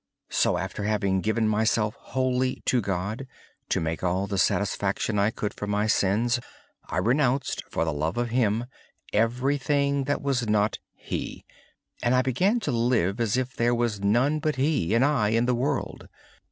After having given myself wholly to God, to make all the satisfaction I could for my sins, I renounced, for the love of Him, everything that was not He, and I began to live as if there was none but He and I in the world.